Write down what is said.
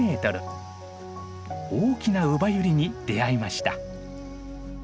大きなウバユリに出会いました。